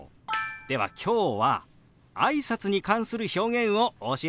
では今日はあいさつに関する表現をお教えしましょう。